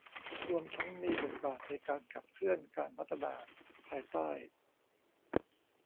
รวมทั้งมีบทบาทในการขับเคลื่อนการพัฒนาภายใต้